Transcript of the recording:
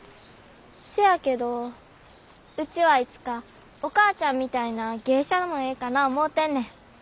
せやけどウチはいつかお母ちゃんみたいな芸者もええかな思うてんねん。